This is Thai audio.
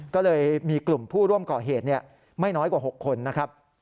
ก็เลยมีกลุ่มผู้ร่วมก่อเหตุไม่น้อยกว่า๖คนนะครับ